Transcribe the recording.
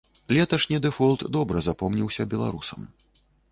Леташні дэфолт добра запомніўся беларусам.